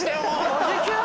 おじキュン？